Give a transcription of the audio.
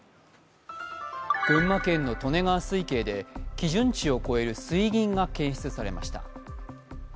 群馬県の利根川水系で基準値を超える水銀が検出されました。